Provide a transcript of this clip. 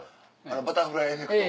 『バタフライエフェクト』。